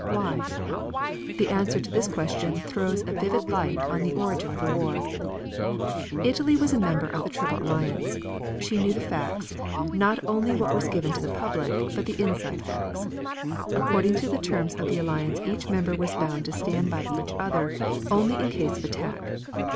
Why? The answer to this question throws a vivid light on the origin of the war. Italy was a member of the Triple Alliance; she knew the facts, not only what was given to the public, but the inside facts. According to the terms of the alliance each member was bound to stand by each other only in case of attack.